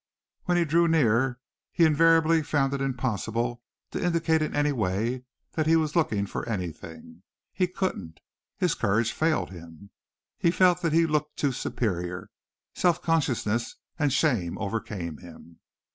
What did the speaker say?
When he drew near he invariably found it impossible to indicate in any way that he was looking for anything. He couldn't. His courage failed him; he felt that he looked too superior; self consciousness and shame overcame him.